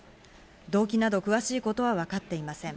動機など詳しいことはわかっていません。